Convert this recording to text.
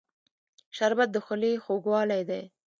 شربت د خولې خوږوالی دی